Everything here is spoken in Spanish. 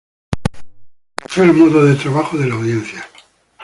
Estableció el modo de trabajo de la Audiencia.